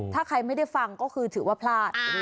ถ้าใครไม่ได้ฟังก็คือถือว่าพลาด